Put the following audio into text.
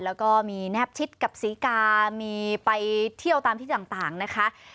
แล้วก็มีแนบชิดกับศรีกามีไปเที่ยวตามที่ต่างนะคะ